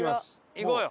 行こうよ。